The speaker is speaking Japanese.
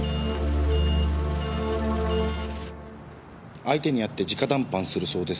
相手に会って直談判するそうです。